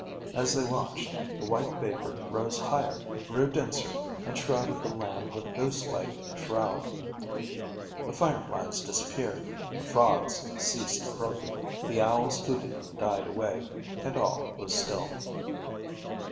As they watched, the white vapor rose higher, grew denser, and shrouded the land with a ghost like shroud. The fireflies disappeared, the frogs ceased croaking, the owls' hooting died away, and all was still.